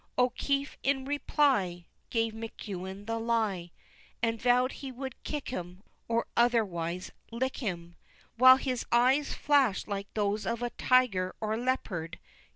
O'Keefe in reply, Gave McEwen the lie, And vowed he would kick him Or otherwise "lick" him, While his eyes flashed like those of a tiger or leopard.